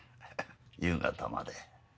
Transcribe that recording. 夕方まで。